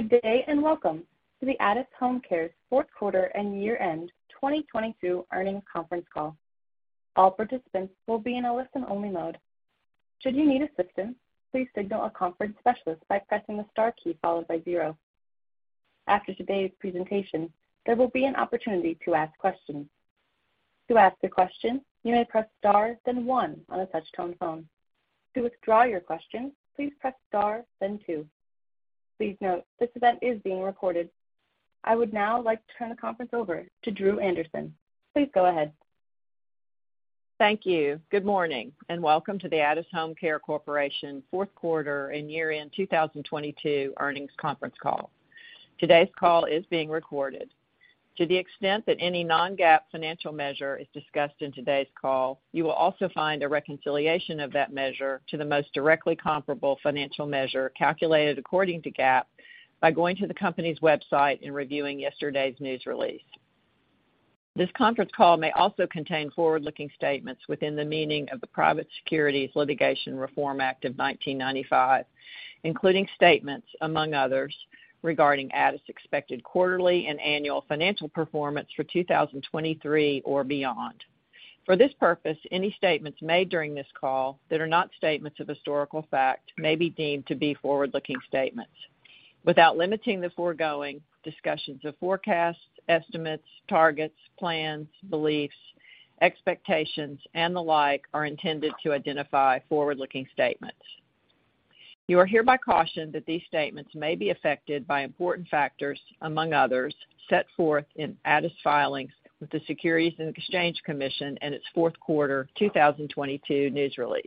Good day, welcome to the Addus HomeCare Fourth Quarter and Year-End 2022 Earnings Conference Call. All participants will be in a listen-only mode. Should you need assistance, please signal a conference specialist by pressing the star key followed by zero. After today's presentation, there will be an opportunity to ask questions. To ask a question, you may press star then one on a touch-tone phone. To withdraw your question, please press star then two. Please note, this event is being recorded. I would now like to turn the conference over to Dru Anderson. Please go ahead. Thank you. Good morning, and welcome to the Addus HomeCare Corporation Fourth Quarter and Year-End 2022 Earnings Conference Call. Today's call is being recorded. To the extent that any non-GAAP financial measure is discussed in today's call, you will also find a reconciliation of that measure to the most directly comparable financial measure calculated according to GAAP by going to the company's website and reviewing yesterday's news release. This conference call may also contain forward-looking statements within the meaning of the Private Securities Litigation Reform Act of 1995, including statements, among others, regarding Addus' expected quarterly and annual financial performance for 2023 or beyond. For this purpose, any statements made during this call that are not statements of historical fact may be deemed to be forward-looking statements. Without limiting the foregoing, discussions of forecasts, estimates, targets, plans, beliefs, expectations, and the like are intended to identify forward-looking statements. You are hereby cautioned that these statements may be affected by important factors, among others, set forth in Addus' filings with the Securities and Exchange Commission and its fourth quarter 2022 news release.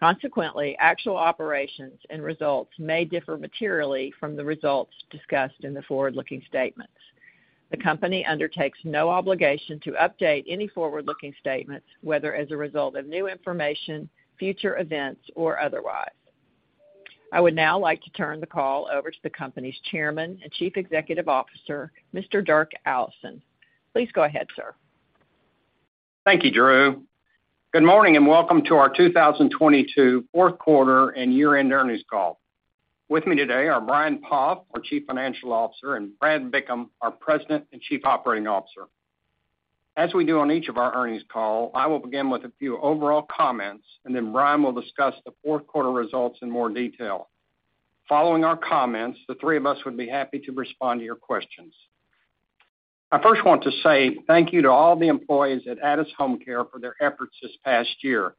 Consequently, actual operations and results may differ materially from the results discussed in the forward-looking statements. The company undertakes no obligation to update any forward-looking statements, whether as a result of new information, future events, or otherwise. I would now like to turn the call over to the company's Chairman and Chief Executive Officer, Mr. Dirk Allison. Please go ahead, sir. Thank you, Dru. Good morning, welcome to our 2022 Fourth Quarter and Year-End Earnings Call. With me today are Brian Poff, our Chief Financial Officer, and Brad Bickham, our President and Chief Operating Officer. As we do on each of our earnings call, I will begin with a few overall comments, Brian will discuss the fourth quarter results in more detail. Following our comments, the three of us would be happy to respond to your questions. I first want to say thank you to all the employees at Addus HomeCare for their efforts this past year.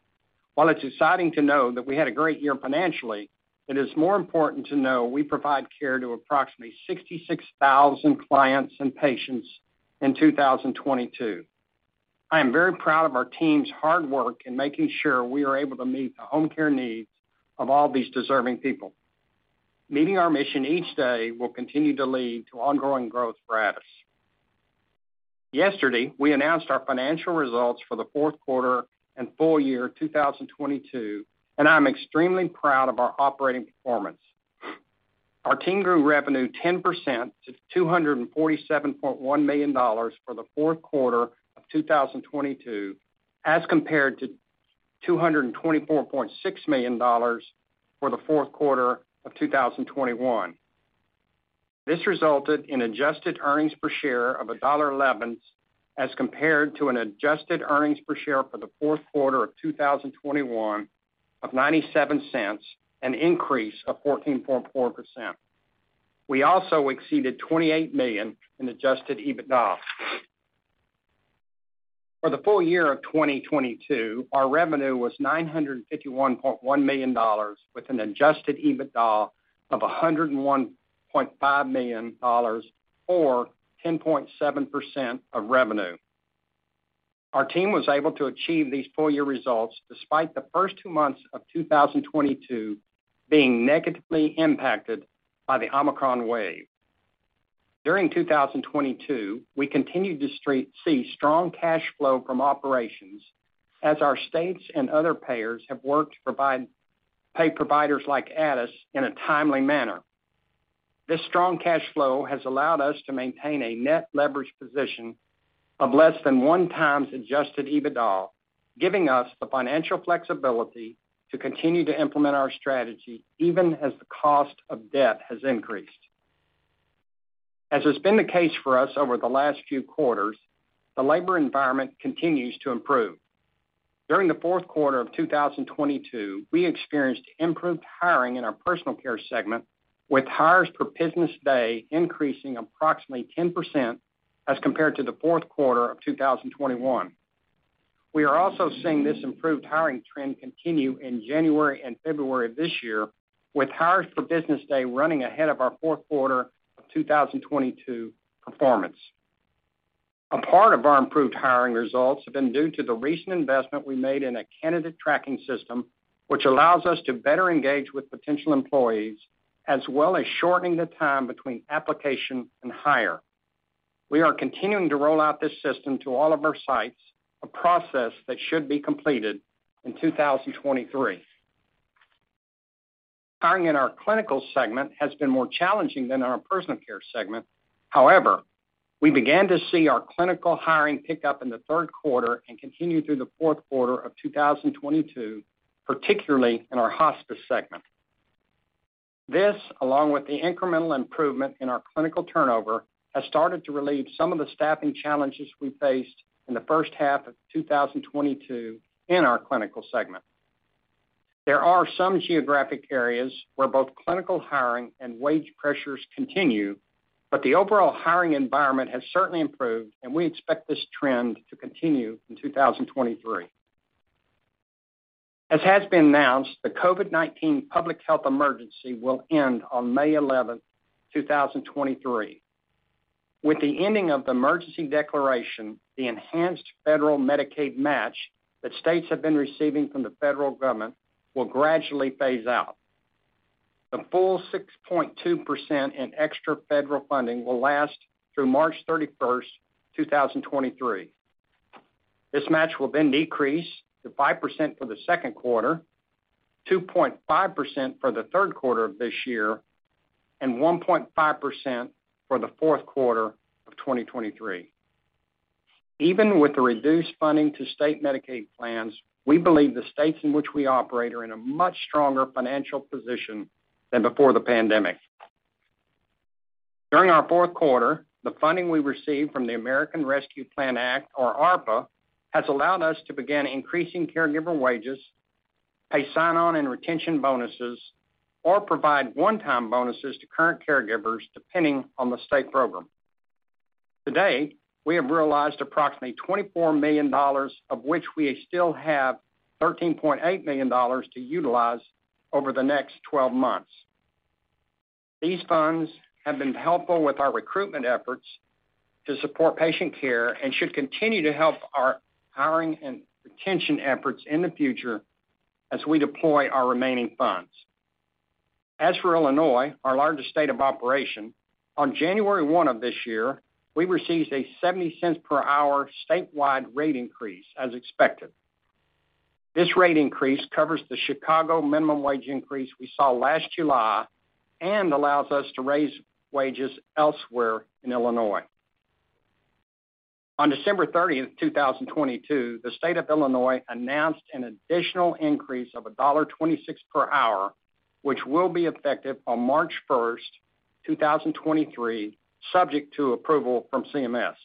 While it's exciting to know that we had a great year financially, it is more important to know we provided care to approximately 66,000 clients and patients in 2022. I am very proud of our team's hard work in making sure we are able to meet the home care needs of all these deserving people. Meeting our mission each day will continue to lead to ongoing growth for Addus. Yesterday, we announced our financial results for the fourth quarter and full year 2022. I'm extremely proud of our operating performance. Our team grew revenue 10% to $247.1 million for the fourth quarter of 2022, as compared to $224.6 million for the fourth quarter of 2021. This resulted in adjusted earnings per share of $1.11, as compared to an adjusted earnings per share for the fourth quarter of 2021 of $0.97, an increase of 14.4%. We also exceeded $28 million in adjusted EBITDA. For the full year of 2022, our revenue was $951.1 million with an adjusted EBITDA of $101.5 million or 10.7% of revenue. Our team was able to achieve these full-year results despite the first two months of 2022 being negatively impacted by the Omicron wave. During 2022, we continued to see strong cash flow from operations as our states and other payers have worked to pay providers like Addus in a timely manner. This strong cash flow has allowed us to maintain a net leverage position of less than 1x adjusted EBITDA, giving us the financial flexibility to continue to implement our strategy even as the cost of debt has increased. As has been the case for us over the last few quarters, the labor environment continues to improve. During the fourth quarter of 2022, we experienced improved hiring in our Personal Care segment, with hires per business day increasing approximately 10% as compared to the fourth quarter of 2021. We are also seeing this improved hiring trend continue in January and February of this year, with hires per business day running ahead of our fourth quarter of 2022 performance. A part of our improved hiring results have been due to the recent investment we made in a candidate tracking system, which allows us to better engage with potential employees, as well as shortening the time between application and hire. We are continuing to roll out this system to all of our sites, a process that should be completed in 2023. Hiring in our Clinical segment has been more challenging than our Personal Care segment. However, we began to see our Clinical hiring pick up in the third quarter and continue through the fourth quarter of 2022, particularly in our Hospice segment. This, along with the incremental improvement in our clinical turnover, has started to relieve some of the staffing challenges we faced in the first half of 2022 in our Clinical segment. There are some geographic areas where both clinical hiring and wage pressures continue, but the overall hiring environment has certainly improved, and we expect this trend to continue in 2023. As has been announced, the COVID-19 public health emergency will end on May 11th, 2023. With the ending of the emergency declaration, the enhanced federal Medicaid match that states have been receiving from the federal government will gradually phase out. The full 6.2% in extra federal funding will last through March 31st, 2023. This match will then decrease to 5% for the second quarter, 2.5% for the third quarter of this year, and 1.5% for the fourth quarter of 2023. Even with the reduced funding to state Medicaid plans, we believe the states in which we operate are in a much stronger financial position than before the pandemic. During our fourth quarter, the funding we received from the American Rescue Plan Act, or ARPA, has allowed us to begin increasing caregiver wages, pay sign-on and retention bonuses, or provide one-time bonuses to current caregivers, depending on the state program. Today, we have realized approximately $24 million, of which we still have $13.8 million to utilize over the next 12 months. These funds have been helpful with our recruitment efforts to support patient care and should continue to help our hiring and retention efforts in the future as we deploy our remaining funds. For Illinois, our largest state of operation, on January 1 of this year, we received a $0.70 per hour statewide rate increase as expected. This rate increase covers the Chicago minimum wage increase we saw last July and allows us to raise wages elsewhere in Illinois. On December 30th, 2022, the State of Illinois announced an additional increase of $1.26 per hour, which will be effective on March 1st, 2023, subject to approval from CMS.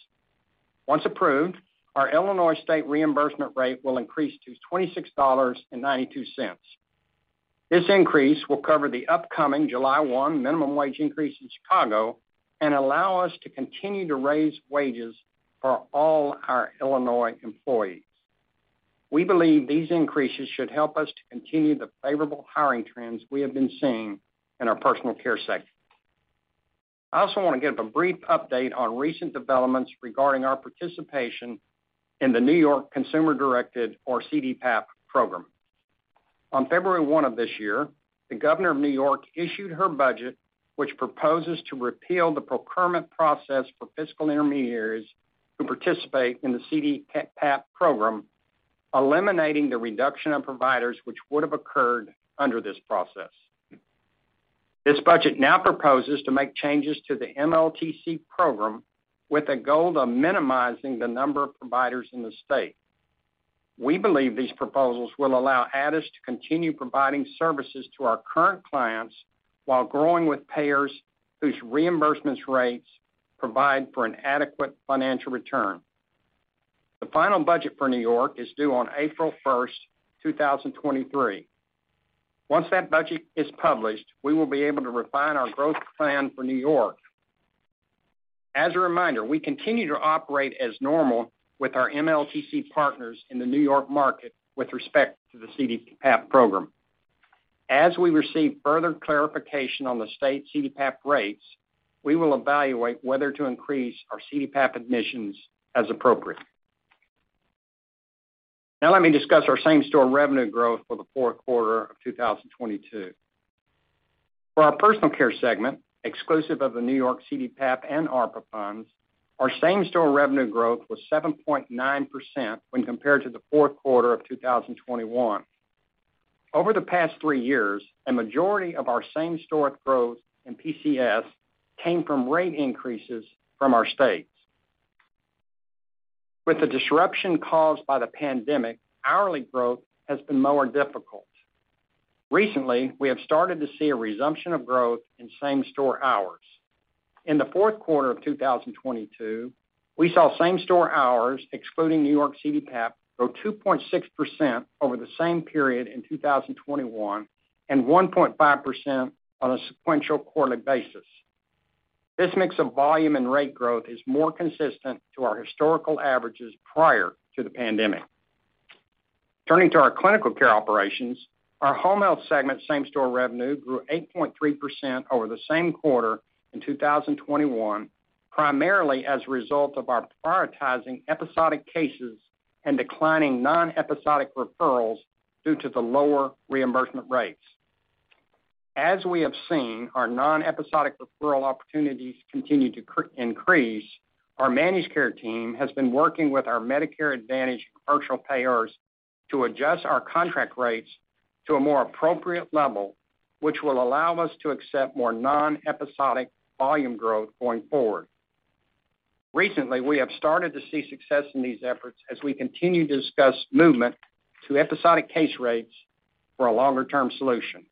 Once approved, our Illinois state reimbursement rate will increase to $26.92. This increase will cover the upcoming July 1 minimum wage increase in Chicago and allow us to continue to raise wages for all our Illinois employees. We believe these increases should help us to continue the favorable hiring trends we have been seeing in our Personal Care segment. I also want to give a brief update on recent developments regarding our participation in the New York Consumer Directed, or CDPAP, program. On February 1 of this year, the Governor of New York issued her budget, which proposes to repeal the procurement process for fiscal intermediaries who participate in the CDPAP program, eliminating the reduction of providers which would have occurred under this process. This budget now proposes to make changes to the MLTC program with a goal of minimizing the number of providers in the state. We believe these proposals will allow Addus to continue providing services to our current clients while growing with payers whose reimbursements rates provide for an adequate financial return. The final budget for New York is due on April 1st, 2023. Once that budget is published, we will be able to refine our growth plan for New York. As a reminder, we continue to operate as normal with our MLTC partners in the New York market with respect to the CDPAP program. As we receive further clarification on the state CDPAP rates, we will evaluate whether to increase our CDPAP admissions as appropriate. Let me discuss our same-store revenue growth for the fourth quarter of 2022. For our Personal Care segment, exclusive of the New York CDPAP and ARPA funds, our same-store revenue growth was 7.9% when compared to the fourth quarter of 2021. Over the past three years, a majority of our same-store growth in PCF came from rate increases from our states. With the disruption caused by the pandemic, hourly growth has been more difficult. Recently, we have started to see a resumption of growth in same-store hours. In the fourth quarter of 2022, we saw same-store hours, excluding New York CDPAP, grow 2.6% over the same period in 2021 and 1.5% on a sequential quarterly basis. This mix of volume and rate growth is more consistent to our historical averages prior to the pandemic. Turning to our Clinical Care operations, our Home Health segment same-store revenue grew 8.3% over the same quarter in 2021, primarily as a result of our prioritizing episodic cases and declining non-episodic referrals due to the lower reimbursement rates. As we have seen our non-episodic referral opportunities continue to increase, our managed care team has been working with our Medicare Advantage commercial payers to adjust our contract rates to a more appropriate level, which will allow us to accept more non-episodic volume growth going forward. Recently, we have started to see success in these efforts as we continue to discuss movement to episodic case rates for a longer-term solution.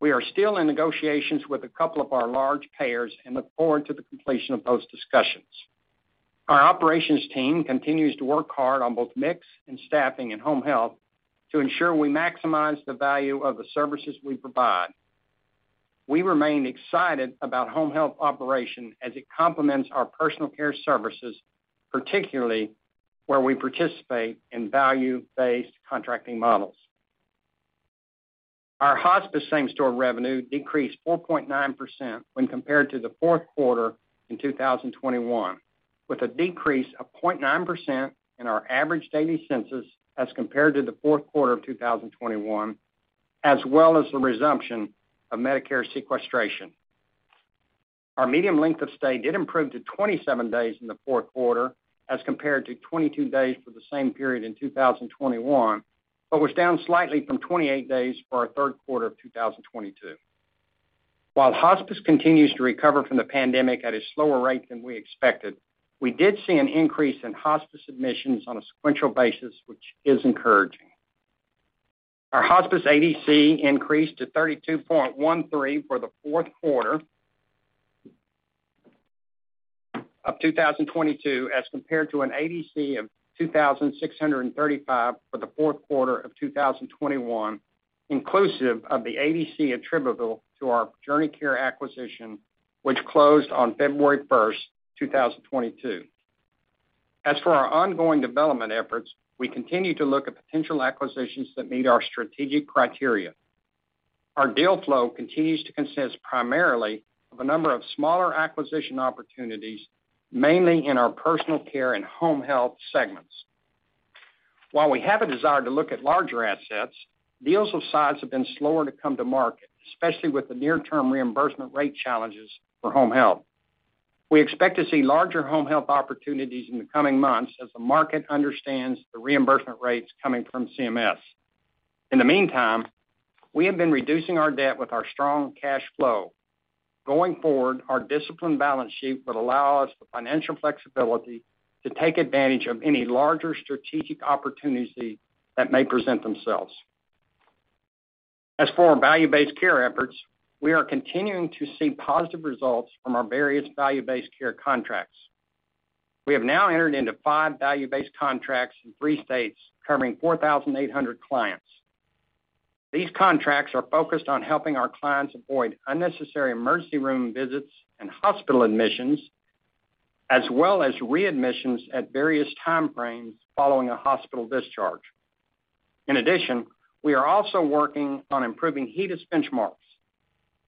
We are still in negotiations with a couple of our large payers and look forward to the completion of those discussions. Our operations team continues to work hard on both mix and staffing in Home Health to ensure we maximize the value of the services we provide. We remain excited about Home Health operation as it complements our Personal Care services, particularly where we participate in value-based contracting models. Our Hospice same-store revenue decreased 4.9% when compared to the fourth quarter in 2021, with a decrease of 0.9% in our average daily census as compared to the fourth quarter of 2021, as well as the resumption of Medicare sequestration. Our median length of stay did improve to 27 days in the fourth quarter as compared to 22 days for the same period in 2021, but was down slightly from 28 days for our third quarter of 2022. While Hospice continues to recover from the pandemic at a slower rate than we expected, we did see an increase in Hospice admissions on a sequential basis, which is encouraging. Our Hospice ADC increased to 3,213 for the fourth quarter of 2022, as compared to an ADC of 2,635 for the fourth quarter of 2021, inclusive of the ADC attributable to our JourneyCare acquisition, which closed on February 1st, 2022. As for our ongoing development efforts, we continue to look at potential acquisitions that meet our strategic criteria. Our deal flow continues to consist primarily of a number of smaller acquisition opportunities, mainly in our Personal Care and Home Health segments. While we have a desire to look at larger assets, deals of size have been slower to come to market, especially with the near-term reimbursement rate challenges for Home Health. We expect to see larger Home Health opportunities in the coming months as the market understands the reimbursement rates coming from CMS. In the meantime, we have been reducing our debt with our strong cash flow. Going forward, our disciplined balance sheet would allow us the financial flexibility to take advantage of any larger strategic opportunity that may present themselves. As for our value-based care efforts, we are continuing to see positive results from our various value-based care contracts. We have now entered into five value-based contracts in three states, covering 4,800 clients. These contracts are focused on helping our clients avoid unnecessary emergency room visits and hospital admissions, as well as readmissions at various time frames following a hospital discharge. We are also working on improving HEDIS benchmarks.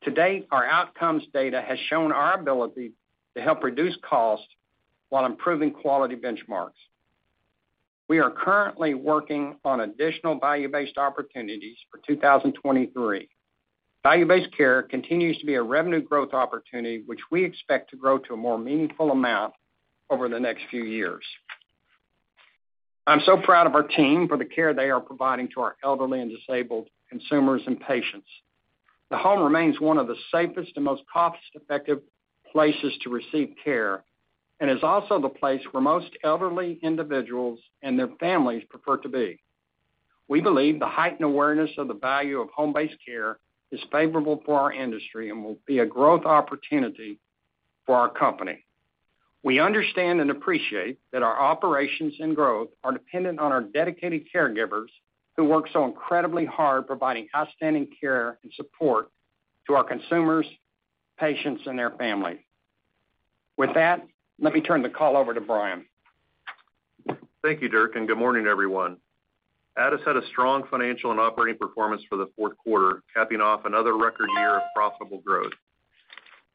To date, our outcomes data has shown our ability to help reduce costs while improving quality benchmarks. We are currently working on additional value-based opportunities for 2023. Value-based care continues to be a revenue growth opportunity which we expect to grow to a more meaningful amount over the next few years. I'm so proud of our team for the care they are providing to our elderly and disabled consumers and patients. The home remains one of the safest and most cost-effective places to receive care and is also the place where most elderly individuals and their families prefer to be. We believe the heightened awareness of the value of home-based care is favorable for our industry and will be a growth opportunity for our company. We understand and appreciate that our operations and growth are dependent on our dedicated caregivers who work so incredibly hard providing outstanding care and support to our consumers, patients, and their family. With that, let me turn the call over to Brian. Thank you, Dirk. Good morning, everyone. Addus had a strong financial and operating performance for the fourth quarter, capping off another record year of profitable growth.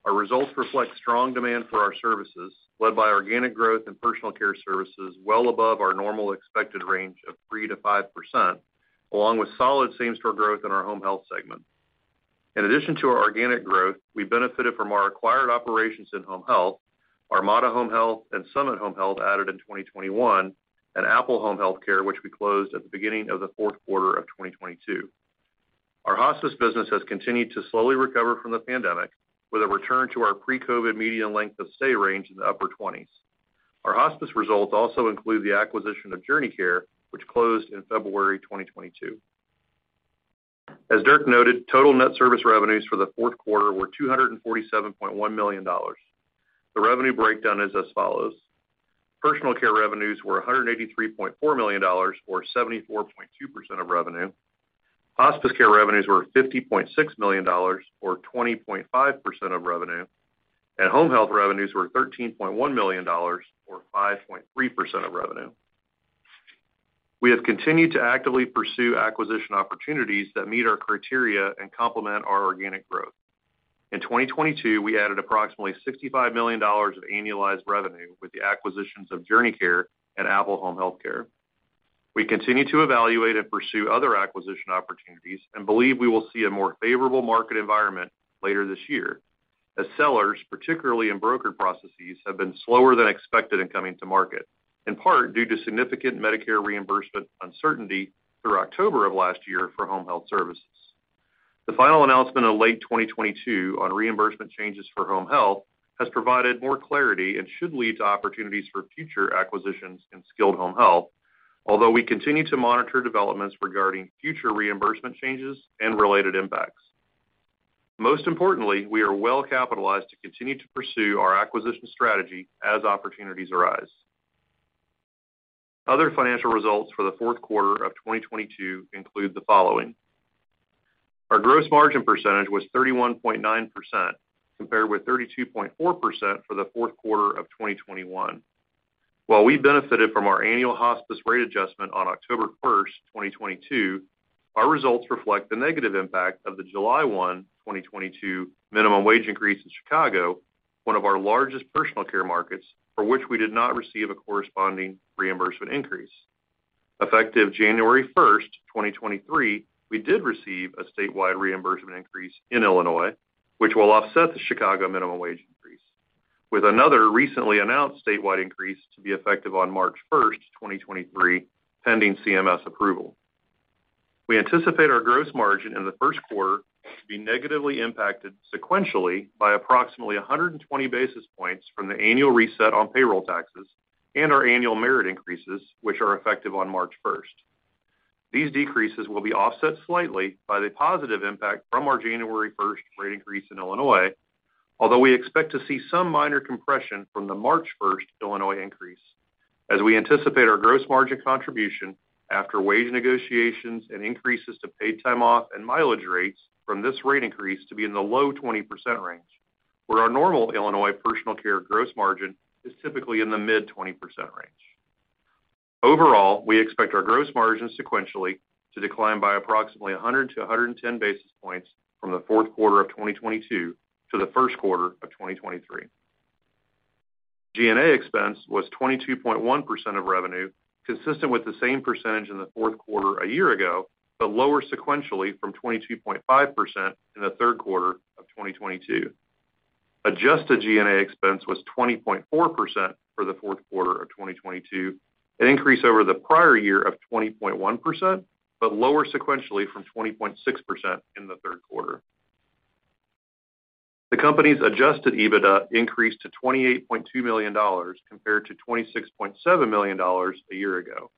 Our results reflect strong demand for our services, led by organic growth in Personal Care services well above our normal expected range of 3%-5%, along with solid same-store growth in our Home Health segment. In addition to our organic growth, we benefited from our acquired operations in Home Health, Armada Home Health and Summit Home Health added in 2021, and Apple Home Healthcare, which we closed at the beginning of the fourth quarter of 2022. Our Hospice business has continued to slowly recover from the pandemic, with a return to our pre-COVID median length of stay range in the upper 20s. Our Hospice results also include the acquisition of JourneyCare, which closed in February 2022. As Dirk noted, total net service revenues for the fourth quarter were $247.1 million. The revenue breakdown is as follows: Personal Care revenues were $183.4 million, or 74.2% of revenue. Hospice Care revenues were $50.6 million, or 20.5% of revenue. Home Health revenues were $13.1 million, or 5.3% of revenue. We have continued to actively pursue acquisition opportunities that meet our criteria and complement our organic growth. In 2022, we added approximately $65 million of annualized revenue with the acquisitions of JourneyCare and Apple Home Healthcare. We continue to evaluate and pursue other acquisition opportunities and believe we will see a more favorable market environment later this year. Sellers, particularly in broker processes, have been slower than expected in coming to market, in part due to significant Medicare reimbursement uncertainty through October of last year for Home Health services. The final announcement in late 2022 on reimbursement changes for Home Health has provided more clarity and should lead to opportunities for future acquisitions in skilled Home Health, although we continue to monitor developments regarding future reimbursement changes and related impacts. Most importantly, we are well capitalized to continue to pursue our acquisition strategy as opportunities arise. Other financial results for the fourth quarter of 2022 include the following. Our gross margin percentage was 31.9%, compared with 32.4% for the fourth quarter of 2021. While we benefited from our annual Hospice rate adjustment on October 1st, 2022, our results reflect the negative impact of the July 1, 2022 minimum wage increase in Chicago, one of our largest Personal Care markets, for which we did not receive a corresponding reimbursement increase. Effective January 1st, 2023, we did receive a statewide reimbursement increase in Illinois, which will offset the Chicago minimum wage increase, with another recently announced statewide increase to be effective on March 1st, 2023, pending CMS approval. We anticipate our gross margin in the first quarter to be negatively impacted sequentially by approximately 120 basis points from the annual reset on payroll taxes and our annual merit increases, which are effective on March 1st. These decreases will be offset slightly by the positive impact from our January 1st rate increase in Illinois, although we expect to see some minor compression from the March 1st Illinois increase, as we anticipate our gross margin contribution after wage negotiations and increases to paid time off and mileage rates from this rate increase to be in the low 20% range, where our normal Illinois Personal Care gross margin is typically in the mid 20% range. Overall, we expect our gross margin sequentially to decline by approximately 100-110 basis points from the fourth quarter of 2022 to the first quarter of 2023. G&A expense was 22.1% of revenue, consistent with the same percentage in the fourth quarter a year ago, but lower sequentially from 22.5% in the third quarter of 2022. Adjusted G&A expense was 20.4% for the fourth quarter of 2022, an increase over the prior year of 20.1%, but lower sequentially from 20.6% in the third quarter. The company's adjusted EBITDA increased to $28.2 million compared to $26.7 million a year ago.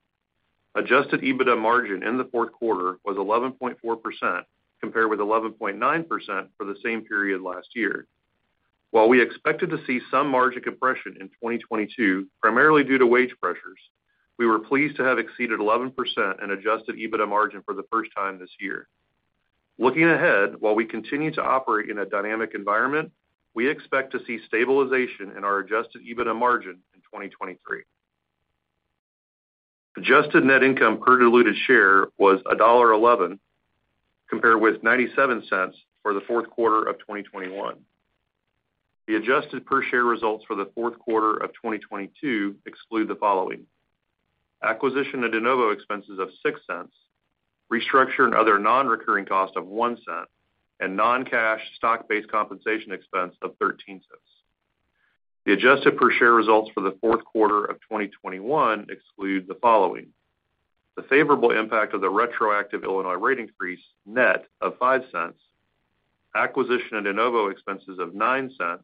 Adjusted EBITDA margin in the fourth quarter was 11.4% compared with 11.9% for the same period last year. While we expected to see some margin compression in 2022, primarily due to wage pressures, we were pleased to have exceeded 11% in adjusted EBITDA margin for the first time this year. Looking ahead, while we continue to operate in a dynamic environment, we expect to see stabilization in our adjusted EBITDA margin in 2023. Adjusted net income per diluted share was $1.11 compared with $0.97 for the fourth quarter of 2021. The adjusted per share results for the fourth quarter of 2022 exclude the following: Acquisition and de novo expenses of $0.06, restructure and other non-recurring costs of $0.01, and non-cash stock-based compensation expense of $0.13. The adjusted per share results for the fourth quarter of 2021 exclude the following: The favorable impact of the retroactive Illinois rate increase net of $0.05, acquisition and de novo expenses of $0.09,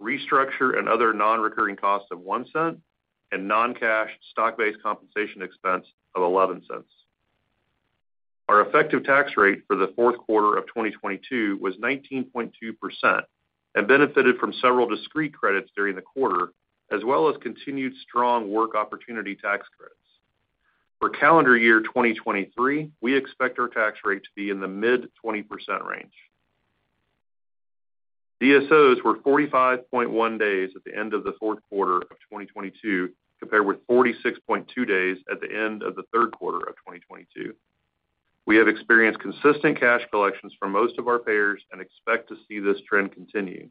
restructure and other non-recurring costs of $0.01, and non-cash stock-based compensation expense of $0.11. Our effective tax rate for the fourth quarter of 2022 was 19.2% and benefited from several discrete credits during the quarter, as well as continued strong Work Opportunity Tax Credit. For calendar year 2023, we expect our tax rate to be in the mid 20% range. DSOs were 45.1 days at the end of the fourth quarter of 2022, compared with 46.2 days at the end of the third quarter of 2022. We have experienced consistent cash collections for most of our payers and expect to see this trend continue.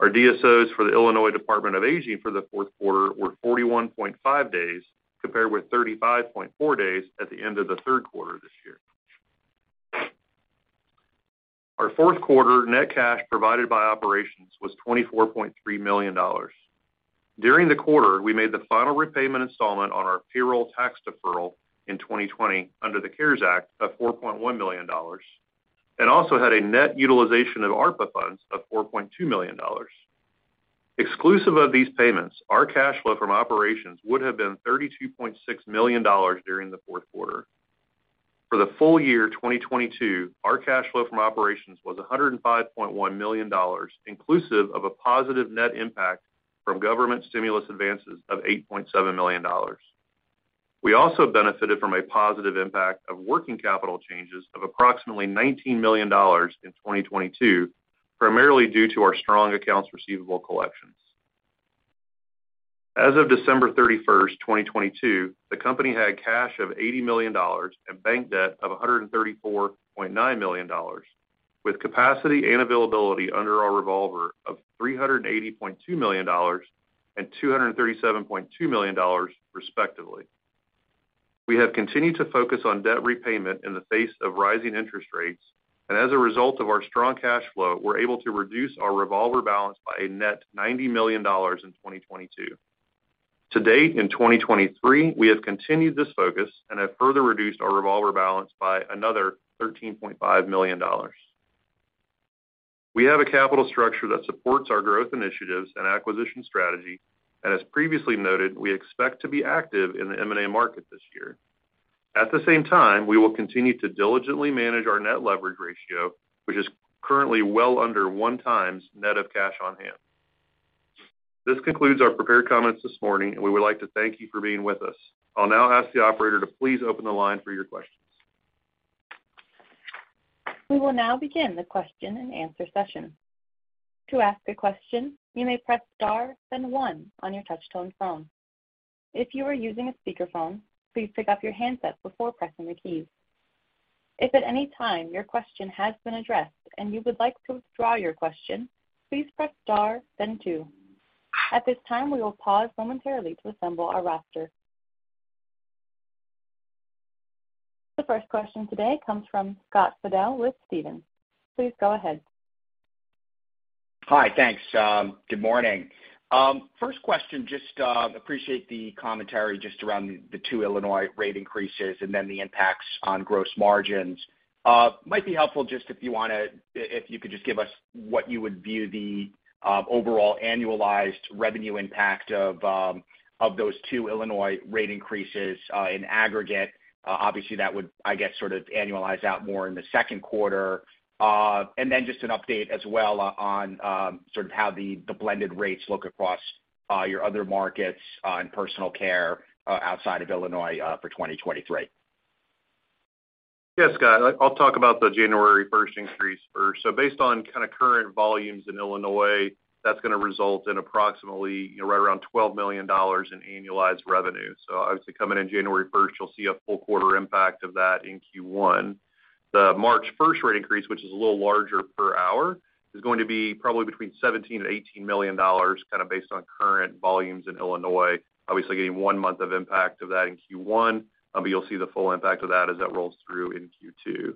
Our DSOs for the Illinois Department on Aging for the fourth quarter were 41.5 days, compared with 35.4 days at the end of the third quarter this year. Our fourth quarter net cash provided by operations was $24.3 million. During the quarter, we made the final repayment installment on our payroll tax deferral in 2020 under the CARES Act of $4.1 million, and also had a net utilization of ARPA funds of $4.2 million. Exclusive of these payments, our cash flow from operations would have been $32.6 million during the fourth quarter. For the full year 2022, our cash flow from operations was $105.1 million, inclusive of a positive net impact from government stimulus advances of $8.7 million. We also benefited from a positive impact of working capital changes of approximately $19 million in 2022, primarily due to our strong accounts receivable collections. As of December 31st, 2022, the company had cash of $80 million and bank debt of $134.9 million, with capacity and availability under our revolver of $380.2 million and $237.2 million, respectively. We have continued to focus on debt repayment in the face of rising interest rates. As a result of our strong cash flow, we're able to reduce our revolver balance by a net $90 million in 2022. To date, in 2023, we have continued this focus and have further reduced our revolver balance by another $13.5 million. We have a capital structure that supports our growth initiatives and acquisition strategy. As previously noted, we expect to be active in the M&A market this year. At the same time, we will continue to diligently manage our net leverage ratio, which is currently well under one times net of cash on hand. This concludes our prepared comments this morning, and we would like to thank you for being with us. I'll now ask the operator to please open the line for your questions. We will now begin the question-and-answer session. To ask a question, you may press star, then one on your touch-tone phone. If you are using a speakerphone, please pick up your handset before pressing the key. If at any time your question has been addressed and you would like to withdraw your question, please press star then two. At this time, we will pause momentarily to assemble our roster. The first question today comes from Scott Fidel with Stephens. Please go ahead. Hi. Thanks. Good morning. First question, just appreciate the commentary just around the two Illinois rate increases and then the impacts on gross margins. It might be helpful just if you could just give us what you would view the overall annualized revenue impact of those two Illinois rate increases in aggregate. Obviously, that would, I guess, sort of annualize out more in the second quarter. Just an update as well on sort of how the blended rates look across your other markets in Personal Care outside of Illinois for 2023. Yes, Scott. I'll talk about the January first increase first. Based on kind of current volumes in Illinois, that's gonna result in approximately right around $12 million in annualized revenue. Obviously, coming in January 1st, you'll see a full quarter impact of that in Q1. The March 1st rate increase, which is a little larger per hour, is going to be probably between $17 million-$18 million based on current volumes in Illinois, obviously getting one month of impact of that in Q1, but you'll see the full impact of that as that rolls through in Q2.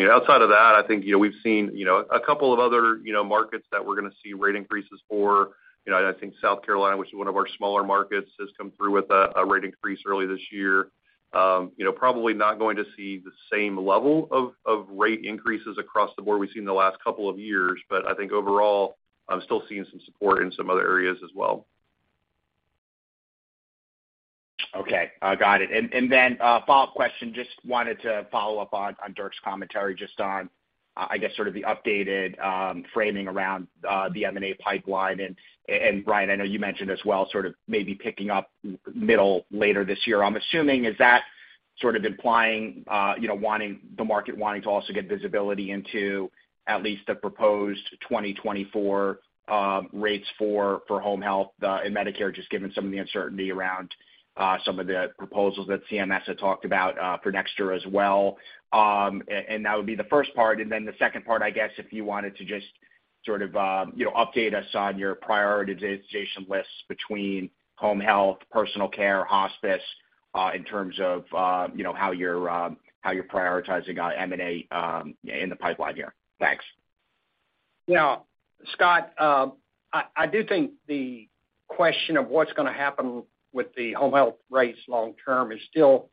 You know, outside of that, I think, you know, we've seen, you know, a couple of other, you know, markets that we're gonna see rate increases for. You know, I think South Carolina, which is one of our smaller markets, has come through with a rate increase early this year. You know, probably not going to see the same level of rate increases across the board we've seen in the last couple of years. I think overall, I'm still seeing some support in some other areas as well. Okay, got it. Then, a follow-up question, just wanted to follow up on Dirk's commentary just on, I guess, sort of the updated framing around the M&A pipeline. Brian, I know you mentioned as well, sort of maybe picking up middle later this year. I'm assuming, is that sort of implying, you know, the market wanting to also get visibility into at least the proposed 2024 rates for Home Health in Medicare, just given some of the uncertainty around some of the proposals that CMS had talked about for next year as well? That would be the first part. The second part, I guess, if you wanted to just sort of, you know, update us on your prioritization lists between Home Health, Personal Care, Hospice, in terms of, you know, how you're, how you're prioritizing, M&A, in the pipeline here. Thanks. You know, Scott, I do think the question of what's gonna happen with the Home Health rates long-term is still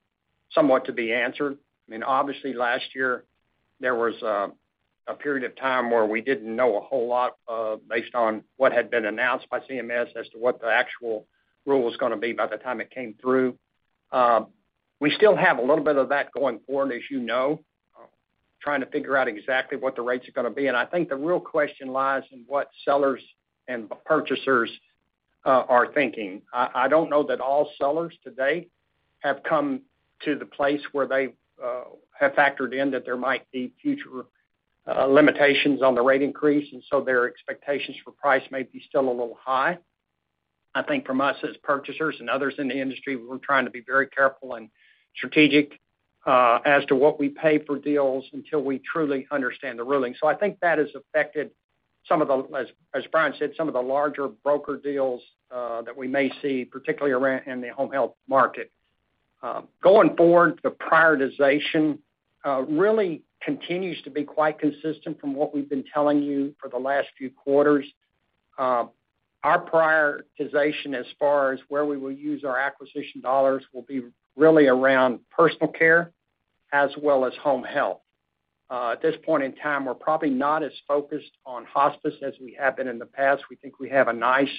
somewhat to be answered. I mean, obviously last year, there was a period of time where we didn't know a whole lot, based on what had been announced by CMS as to what the actual rule was gonna be by the time it came through. We still have a little bit of that going forward, as you know, trying to figure out exactly what the rates are gonna be. I think the real question lies in what sellers and purchasers are thinking. I don't know that all sellers today have come to the place where they have factored in that there might be future limitations on the rate increase. Their expectations for price may be still a little high. I think from us as purchasers and others in the industry, we're trying to be very careful and strategic as to what we pay for deals until we truly understand the ruling. I think that has affected some of the, as Brian said, some of the larger broker deals that we may see, particularly around in the Home Health market. Going forward, the prioritization really continues to be quite consistent from what we've been telling you for the last few quarters. Our prioritization as far as where we will use our acquisition dollars will be really around Personal Care as well as Home Health. At this point in time, we're probably not as focused on Hospice as we have been in the past. We think we have a nice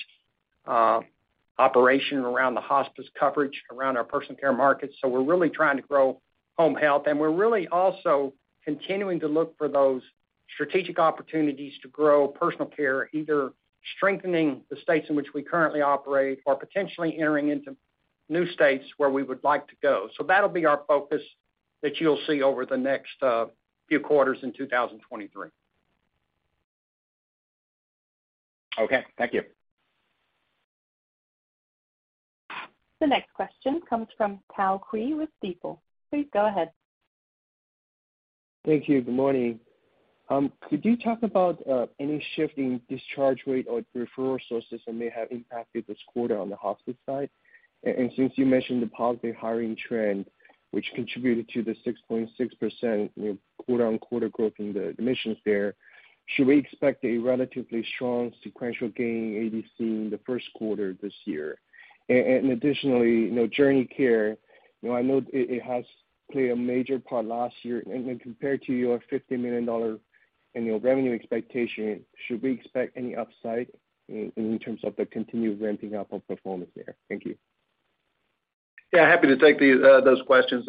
operation around the Hospice coverage around our Personal Care market. We're really trying to grow Home Health, and we're really also continuing to look for those strategic opportunities to grow Personal Care, either strengthening the states in which we currently operate or potentially entering into new states where we would like to go. That'll be our focus that you'll see over the next few quarters in 2023. Okay. Thank you. The next question comes from Tao Qiu with Stifel. Please go ahead. Thank you. Good morning. Could you talk about any shift in discharge rate or referral sources that may have impacted this quarter on the Hospice side? Since you mentioned the positive hiring trend, which contributed to the 6.6%, you know, quarter-on-quarter growth in the admissions there, should we expect a relatively strong sequential gain in ADC in the first quarter this year? Additionally, you know, JourneyCare, you know, I know it has played a major part last year. Compared to your $50 million annual revenue expectation, should we expect any upside in terms of the continued ramping up of performance there? Thank you. Happy to take these, those questions.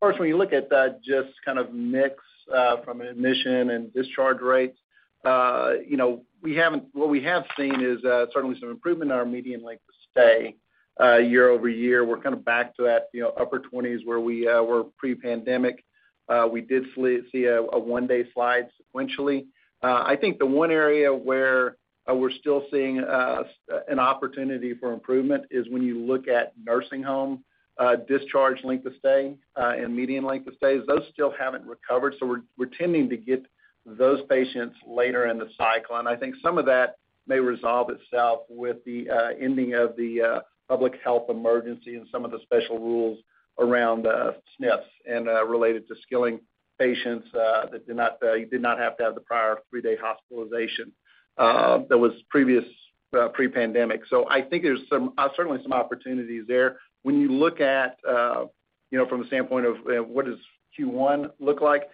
First, when you look at just kind of mix from an admission and discharge rates, you know, what we have seen is certainly some improvement in our median length of stay year-over-year. We're kind of back to that, you know, upper-20s where we were pre-pandemic. We did see a one-day slide sequentially. I think the one area where we're still seeing an opportunity for improvement is when you look at nursing home discharge length of stay and median length of stays. Those still haven't recovered, so we're tending to get those patients later in the cycle. I think some of that may resolve itself with the ending of the public health emergency and some of the special rules around SNFs and related to skilling patients, you did not have to have the prior three-day hospitalization that was previous pre-pandemic. I think there's some certainly some opportunities there. You look at, you know, from the standpoint of what does Q1 look like,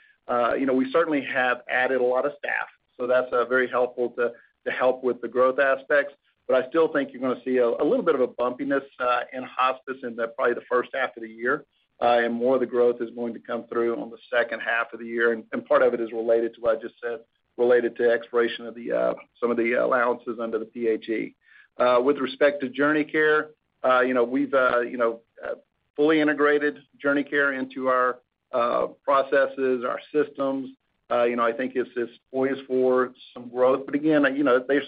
you know, we certainly have added a lot of staff, that's very helpful to help with the growth aspects. I still think you're gonna see a little bit of a bumpiness in Hospice in the probably the first half of the year, and more of the growth is going to come through on the second half of the year, and part of it is related to what I just said, related to expiration of the some of the allowances under the PHE. With respect to JourneyCare, you know, we've, you know, fully integrated JourneyCare into our processes, our systems. You know, I think it's poised for some growth, but again, you know, they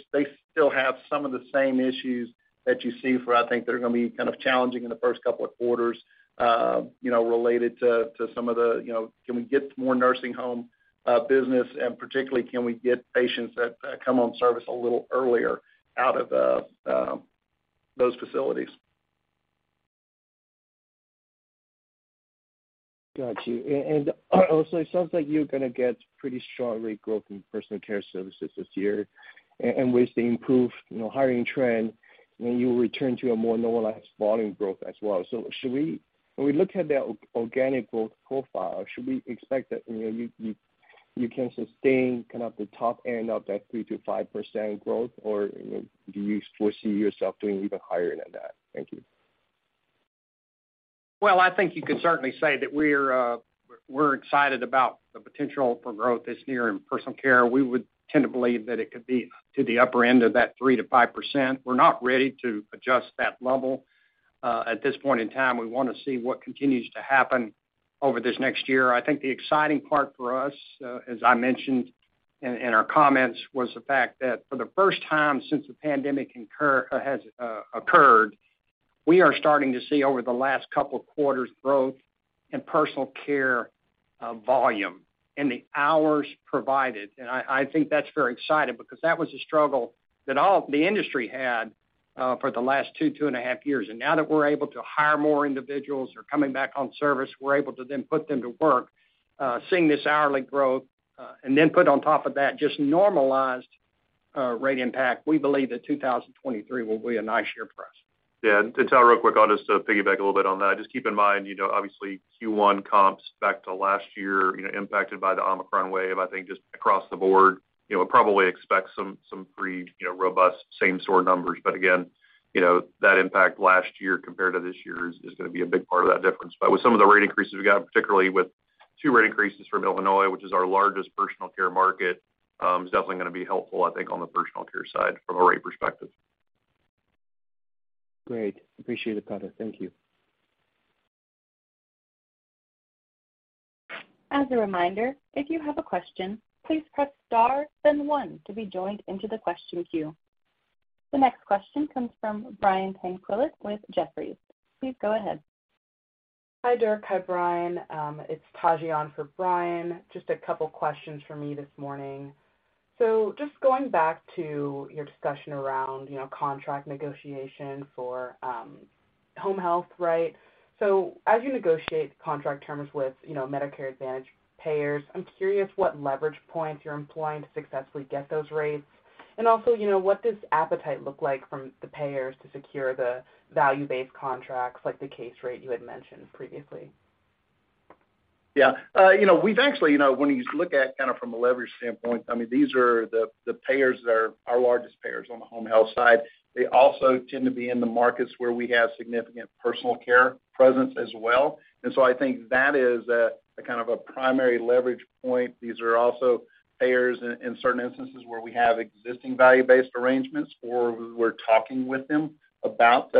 still have some of the same issues that you see for, I think, they're gonna be kind of challenging in the first couple of quarters, you know, related to some of the, you know, can we get more nursing home, business, and particularly, can we get patients that, come on service a little earlier out of, those facilities. Got you. Also, it sounds like you're gonna get pretty strong rate growth in Personal Care services this year, and with the improved, you know, hiring trend, when you return to a more normalized volume growth as well. When we look at the organic growth profile, should we expect that, you know, you can sustain kind of the top end of that 3%-5% growth? Or, you know, do you foresee yourself doing even higher than that? Thank you. Well, I think you could certainly say that we're excited about the potential for growth this year in Personal Care. We would tend to believe that it could be to the upper end of that 3%-5%. We're not ready to adjust that level at this point in time. We wanna see what continues to happen over this next year. I think the exciting part for us, as I mentioned in our comments, was the fact that for the first time since the pandemic occurred, we are starting to see over the last couple of quarters growth in Personal Care, volume and the hours provided. I think that's very exciting because that was a struggle that the industry had for the last two, 2.5 years. Now that we're able to hire more individuals who are coming back on service, we're able to then put them to work, seeing this hourly growth, and then put on top of that just normalized, rate impact, we believe that 2023 will be a nice year for us. Yeah. To tell real quick, I'll just piggyback a little bit on that. Just keep in mind, you know, obviously Q1 comps back to last year, you know, impacted by the Omicron wave, I think just across the board, you know, probably expect some pretty, you know, robust same store numbers. Again, you know, that impact last year compared to this year is gonna be a big part of that difference. With some of the rate increases we got, particularly with two rate increases from Illinois, which is our largest Personal Care market, is definitely gonna be helpful, I think, on the Personal Care side from a rate perspective. Great. Appreciate it the color. Thank you. As a reminder, if you have a question, please press star then one to be joined into the question queue. The next question comes from Brian Tanquilut with Jefferies. Please go ahead. Hi, Dirk. Hi, Brian. It's Taji on for Brian. Just a couple questions for me this morning. Just going back to your discussion around, you know, contract negotiation for Home Health, right? As you negotiate contract terms with, you know, Medicare Advantage payers, I'm curious what leverage points you're employing to successfully get those rates. Also, you know, what does appetite look like from the payers to secure the value-based contracts like the case rate you had mentioned previously? Yeah, you know, we've actually, you know, when you look at kinda from a leverage standpoint, I mean, these are the payers that are our largest payers on the Home Health side. They also tend to be in the markets where we have significant Personal Care presence as well. I think that is a kind of a primary leverage point. These are also payers in certain instances where we have existing value-based arrangements or we're talking with them about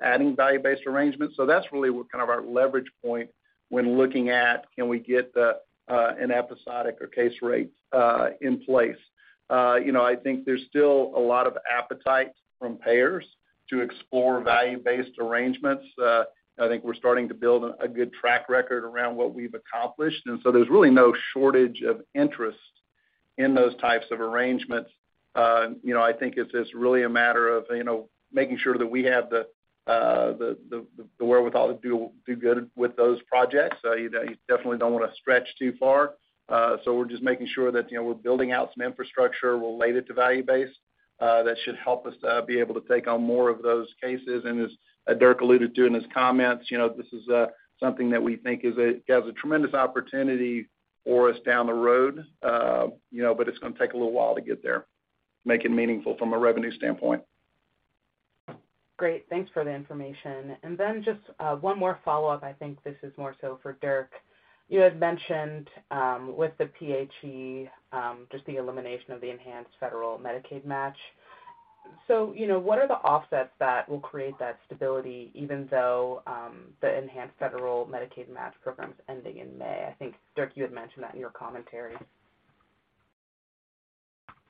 adding value-based arrangements. That's really what kind of our leverage point when looking at, can we get the an episodic or case rates in place. You know, I think there's still a lot of appetite from payers to explore value-based arrangements. I think we're starting to build a good track record around what we've accomplished. There's really no shortage of interest in those types of arrangements, you know, I think it's really a matter of, you know, making sure that we have the wherewithal to do good with those projects. You, you definitely don't want to stretch too far. We're just making sure that, you know, we're building out some infrastructure related to value-based, that should help us be able to take on more of those cases. As Dirk alluded to in his comments, you know, this is something that we think has a tremendous opportunity for us down the road, you know, but it's gonna take a little while to get there, make it meaningful from a revenue standpoint. Great. Thanks for the information. Then just one more follow-up. I think this is more so for Dirk. You had mentioned with the PHE, just the elimination of the enhanced federal Medicaid match. You know, what are the offsets that will create that stability even though the enhanced federal Medicaid match program is ending in May? I think, Dirk, you had mentioned that in your commentary.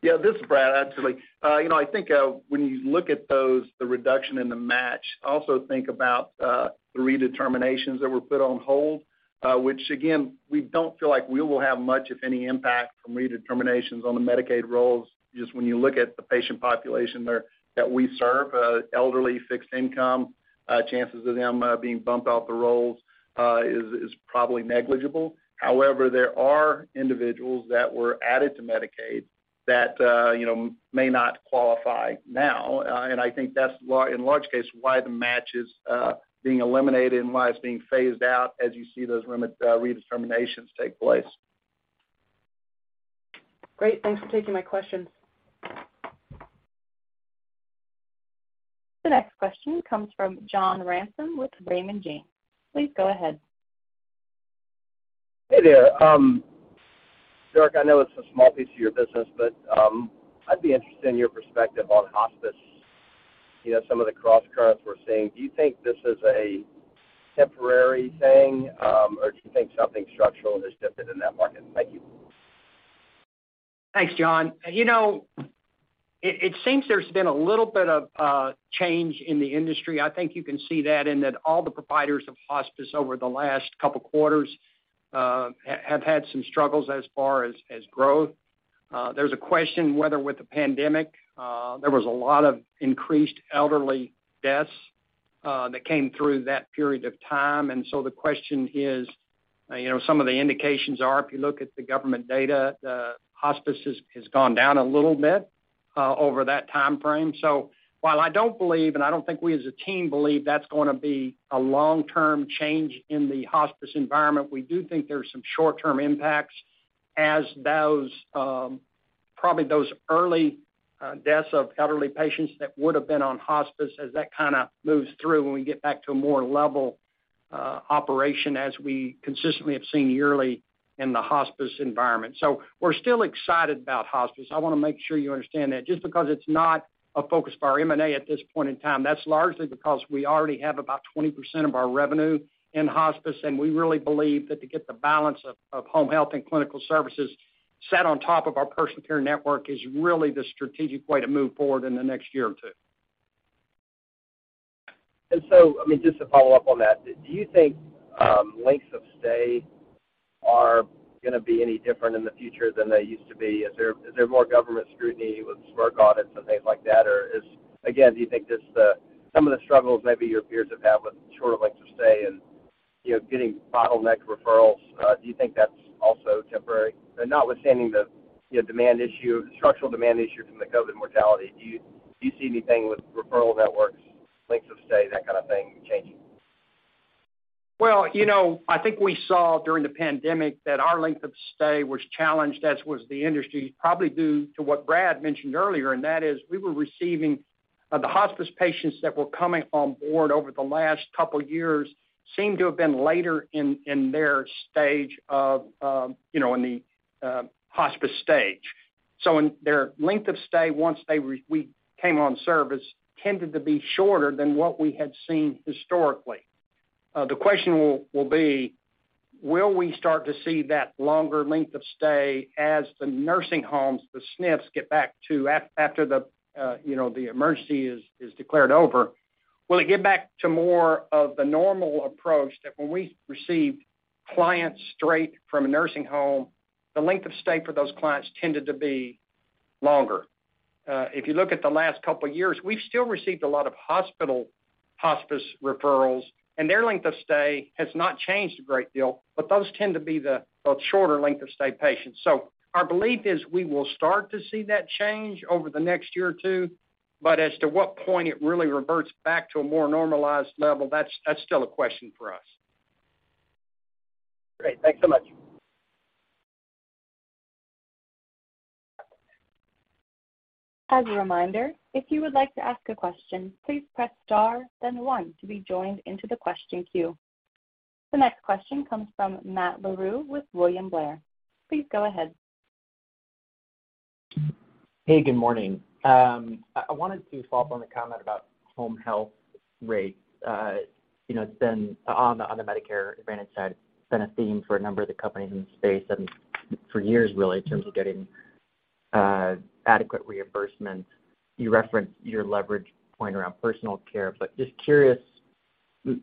This is Brad, actually. you know, I think, when you look at those, the reduction in the match, also think about, the redeterminations that were put on hold, which again, we don't feel like we will have much, if any, impact from redeterminations on the Medicaid rolls. Just when you look at the patient population there that we serve, elderly, fixed income, chances of them, being bumped off the rolls, is probably negligible. However, there are individuals that were added to Medicaid that, you know, may not qualify now. I think that's why in large case why the match is, being eliminated and why it's being phased out as you see those redeterminations take place. Great. Thanks for taking my question. The next question comes from John Ransom with Raymond James. Please go ahead. Hey there. Dirk, I know it's a small piece of your business, but I'd be interested in your perspective on Hospice, you know, some of the cross currents we're seeing. Do you think this is a temporary thing, or do you think something structural has shifted in that market? Thank you. Thanks, John. You know, it seems there's been a little bit of change in the industry. I think you can see that in that all the providers of hospice over the last couple quarters have had some struggles as far as growth. There's a question whether with the pandemic, there was a lot of increased elderly deaths that came through that period of time. The question is, you know, some of the indications are, if you look at the government data, the hospice has gone down a little bit over that time frame. While I don't believe, and I don't think we as a team believe that's gonna be a long-term change in the hospice environment, we do think there are some short-term impacts as those, probably those early deaths of elderly patients that would have been on hospice as that kinda moves through when we get back to a more level operation as we consistently have seen yearly in the Hospice environment. We're still excited about Hospice. I wanna make sure you understand that. Just because it's not a focus of our M&A at this point in time, that's largely because we already have about 20% of our revenue in Hospice, and we really believe that to get the balance of Home Health and Clinical services sat on top of our Personal Care network is really the strategic way to move forward in the next year or two. I mean, just to follow up on that, do you think, lengths of stay are gonna be any different in the future than they used to be? Is there, is there more government scrutiny with work audits and things like that? Or again, do you think this, some of the struggles maybe your peers have had with shorter lengths of stay and, you know, getting bottleneck referrals, do you think that's also temporary? Notwithstanding the, you know, demand issue, structural demand issue from the COVID mortality, do you see anything with referral networks, lengths of stay, that kind of thing changing? You know, I think we saw during the pandemic that our length of stay was challenged, as was the industry, probably due to what Brad mentioned earlier, and that is we were receiving, the hospice patients that were coming on board over the last couple years seemed to have been later in their stage of, you know, in the hospice stage. In their length of stay, once we came on service, tended to be shorter than what we had seen historically. The question will be, will we start to see that longer length of stay as the nursing homes, the SNFs, get back to after the, you know, the emergency is declared over? Will it get back to more of the normal approach that when we received clients straight from a nursing home, the length of stay for those clients tended to be longer? If you look at the last couple of years, we've still received a lot of hospital hospice referrals, their length of stay has not changed a great deal, but those tend to be the shorter length of stay patients. Our belief is we will start to see that change over the next year or two. As to what point it really reverts back to a more normalized level, that's still a question for us. Great. Thanks so much. As a reminder, if you would like to ask a question, please press star then one to be joined into the question queue. The next question comes from Matt Larew with William Blair. Please go ahead. Good morning. I wanted to follow up on the comment about Home Health rates. You know, it's been on the Medicare Advantage side, it's been a theme for a number of the companies in the space and for years, really, in terms of getting adequate reimbursement. You referenced your leverage point around Personal Care, but just curious.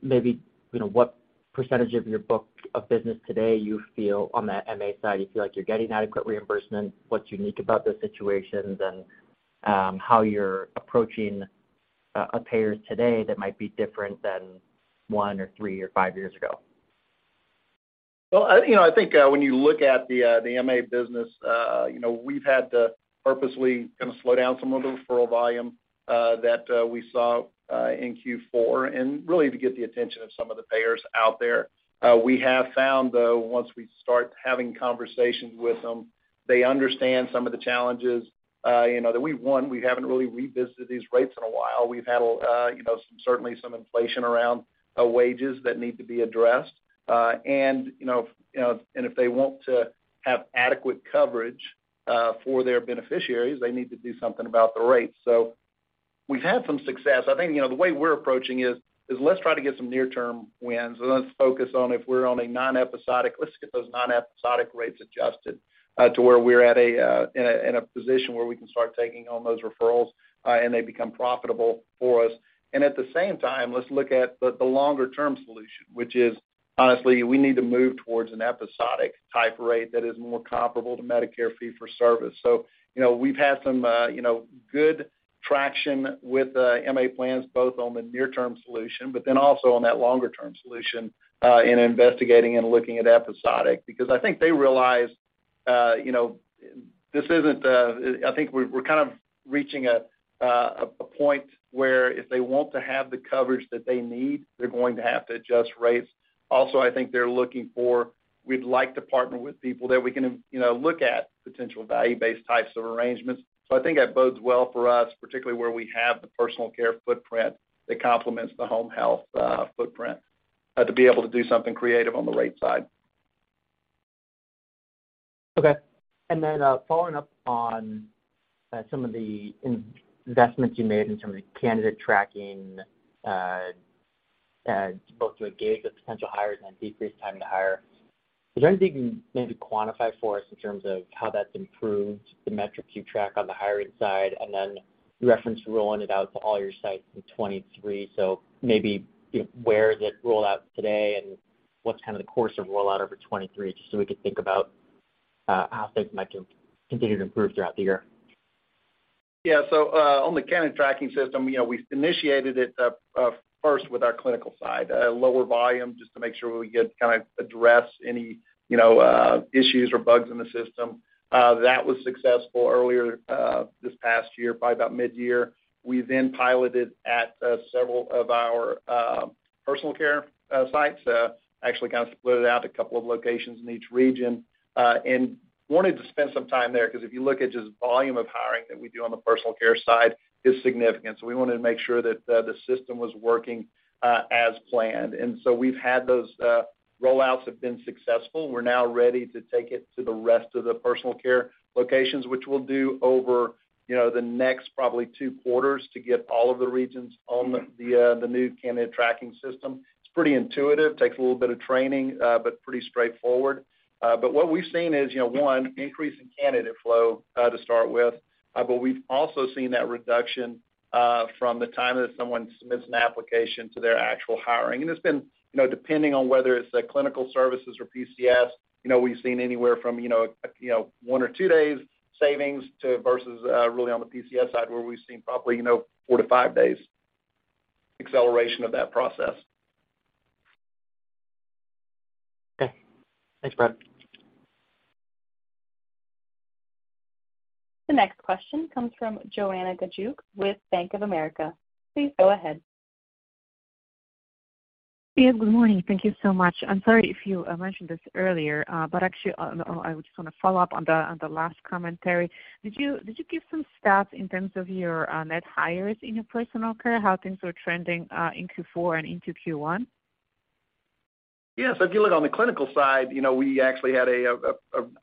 Maybe, you know, what % of your book of business today you feel on that MA side, you feel like you're getting adequate reimbursement, what's unique about those situations, and how you're approaching payers today that might be different than one or three or five years ago? Well, I, you know, I think, when you look at the MA business, you know, we've had to purposely kind of slow down some of the referral volume that we saw in Q4, really to get the attention of some of the payers out there. We have found, though, once we start having conversations with them, they understand some of the challenges, you know, that we've, one, we haven't really revisited these rates in a while. We've had, you know, some, certainly some inflation around wages that need to be addressed. You know, and if they want to have adequate coverage for their beneficiaries, they need to do something about the rates. We've had some success. I think, you know, the way we're approaching is let's try to get some near-term wins, and let's focus on if we're on a non-episodic, let's get those non-episodic rates adjusted to where we're at a in a position where we can start taking on those referrals, and they become profitable for us. At the same time, let's look at the longer term solution, which is, honestly, we need to move towards an episodic type rate that is more comparable to Medicare fee-for-service. You know, we've had some, you know, good traction with MA plans, both on the near-term solution, but then also on that longer term solution, in investigating and looking at episodic because I think they realize, you know, this isn't... I think we're kind of reaching a point where if they want to have the coverage that they need, they're going to have to adjust rates. I think they're looking for, we'd like to partner with people that we can, you know, look at potential value-based types of arrangements. I think that bodes well for us, particularly where we have the Personal Care footprint that complements the Home Health footprint to be able to do something creative on the rate side. Okay. Following up on some of the investments you made in terms of candidate tracking, both to engage with potential hires and decrease time to hire, is there anything you can maybe quantify for us in terms of how that's improved the metrics you track on the hiring side? You referenced rolling it out to all your sites in 2023, so maybe, you know, where is it rolled-out today, and what's kind of the course of rollout over 2023, just so we can think about how things might continue to improve throughout the year. Yeah. On the candidate tracking system, you know, we initiated it first with our Clinical side, lower volume just to make sure we could kind of address any, you know, issues or bugs in the system. That was successful earlier this past year, probably about mid-year. We then piloted at several of our Personal Care sites, actually kind of split it out to a couple of locations in each region, and wanted to spend some time there because if you look at just volume of hiring that we do on the Personal Care side is significant. We wanted to make sure that the system was working as planned. We've had those rollouts have been successful. We're now ready to take it to the rest of the Personal Care locations, which we'll do over, you know, the next probably two quarters to get all of the regions on the, the new candidate tracking system. It's pretty intuitive. Takes a little bit of training, but pretty straightforward. What we've seen is, you know, one, increase in candidate flow, to start with. We've also seen that reduction from the time that someone submits an application to their actual hiring. It's been, you know, depending on whether it's Clinical services or PCS, you know, we've seen anywhere from, you know, one or two days savings to versus really on the PCS side where we've seen probably, you know, four to five days acceleration of that process. Okay. Thanks, Brad. The next question comes from Joanna Gajuk with Bank of America. Please go ahead. Yeah, good morning. Thank you so much. I'm sorry if you mentioned this earlier, but actually, I just wanna follow-up on the last commentary. Did you give some stats in terms of your net hires in your Personal Care, how things are trending in Q4 and into Q1? If you look on the Clinical side, you know, we actually had a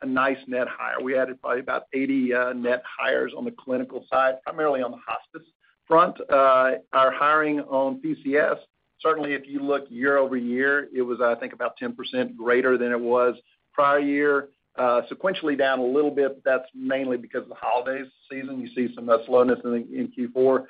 nice net hire. We added probably about 80 net hires on the Clinical side, primarily on the Hospice front. Our hiring on PCS, certainly if you look year-over-year, it was, I think about 10% greater than it was prior year. Sequentially down a little bit, that's mainly because of the holiday season. You see some slowness in Q4.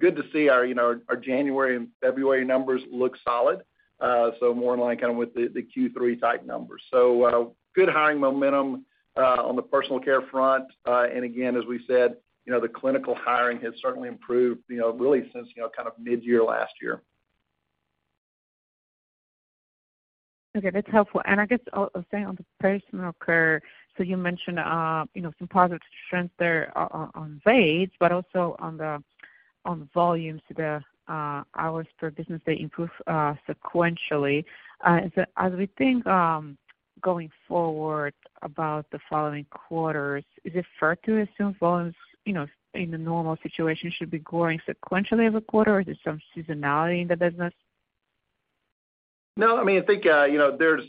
Good to see our, you know, our January and February numbers look solid. More in line kind of with the Q3 type numbers. Good hiring momentum on the Personal Care front. Again, as we said, you know, the Clinical hiring has certainly improved, you know, really since, you know, kind of mid-year last year. Okay, that's helpful. I guess I'll stay on the Personal Care. You mentioned, you know, some positive trends there on wage, but also on the, on volumes, the hours per business day improve sequentially. As we think, going forward about the following quarters, is it fair to assume volumes, you know, in a normal situation should be growing sequentially every quarter, or is there some seasonality in the business? No, I mean, I think, you know, there's,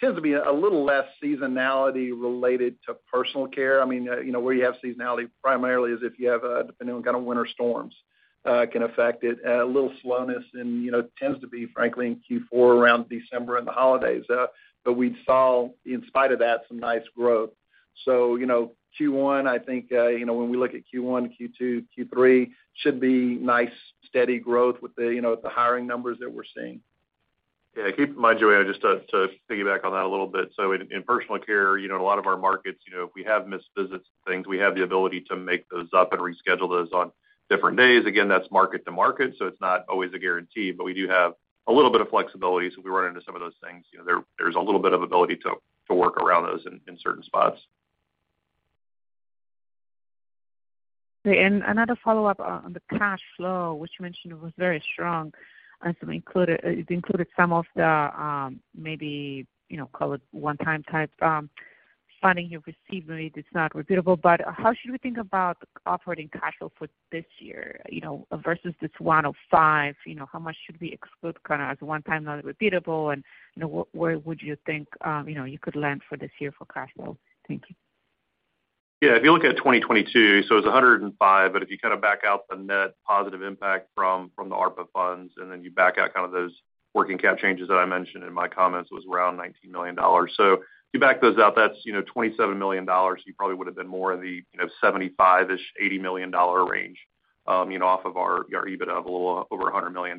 tends to be a little less seasonality related to Personal Care. I mean, you know, where you have seasonality primarily is if you have, depending on kind of winter storms, can affect it. A little slowness and, you know, tends to be, frankly, in Q4 around December and the holidays. But we saw, in spite of that, some nice growth. You know, Q1, I think, you know, when we look at Q1, Q2, Q3 should be nice, steady growth with the, you know, the hiring numbers that we're seeing. Yeah, keep in mind, Joanne, just to piggyback on that a little bit. In, in Personal Care, you know, in a lot of our markets, you know, if we have missed visits and things, we have the ability to make those up and reschedule those on different days. Again, that's market to market, so it's not always a guarantee, but we do have a little bit of flexibility. If we run into some of those things, you know, there's a little bit of ability to work around those in certain spots. Okay. It included some of the, you know, call it one-time type funding you've received, maybe it's not repeatable. How should we think about operating cash flow for this year, you know, versus this $105 million? You know, how much should we exclude kind of as one-time, not repeatable? You know, where would you think, you could land for this year for cash flow? Thank you. Yeah. If you look at 2022, it's $105 million. If you kind of back out the net positive impact from the ARPA funds, and then you back out kind of those working cap changes that I mentioned in my comments was around $19 million. If you back those out, that's, you know, $27 million. You probably would have been more in the, you know, 75-ish, $80 million range, you know, off of our EBITDA of a little over $100 million.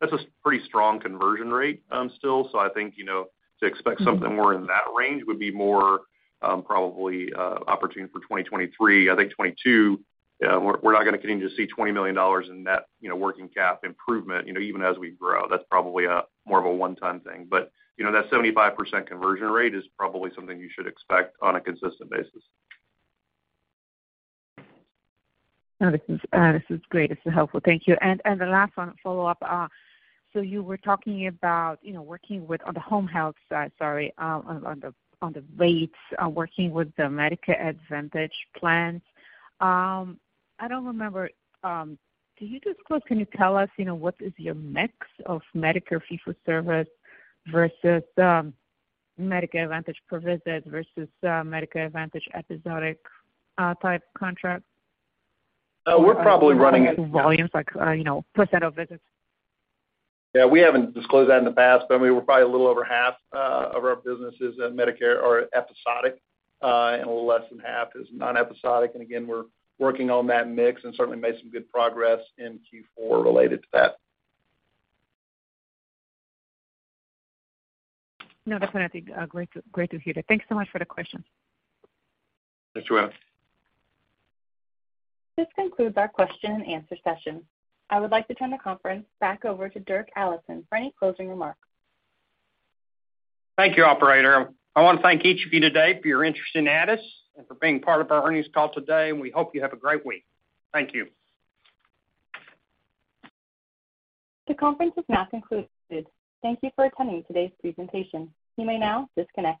That's a pretty strong conversion rate still. I think, you know, to expect something more in that range would be more probably opportune for 2023. I think 2022, we're not gonna continue to see $20 million in net, you know, working cap improvement, you know, even as we grow. That's probably more of a one-time thing. You know, that 75% conversion rate is probably something you should expect on a consistent basis. No, this is, this is great. It's helpful. Thank you. The last one follow-up. You were talking about, you know, working with on the Home Health side, sorry, on the, on the rates, working with the Medicare Advantage plans. I don't remember. Can you disclose, can you tell us, you know, what is your mix of Medicare fee-for-service versus, Medicare Advantage per visit versus, Medicare Advantage episodic, type contract? We're probably running it- Volumes like, you know percent of visits. Yeah, we haven't disclosed that in the past, but I mean, we're probably a little over half of our business is in Medicare or episodic, and a little less than half is non-episodic. Again, we're working on that mix and certainly made some good progress in Q4 related to that. No, that's what I think. Great to hear that. Thanks so much for the questions. Thanks, Joanne. This concludes our question-and-answer session. I would like to turn the conference back over to Dirk Allison for any closing remarks. Thank you, operator. I wanna thank each of you today for your interest in Addus and for being part of our earnings call today, and we hope you have a great week. Thank you. The conference is now concluded. Thank you for attending today's presentation. You may now disconnect.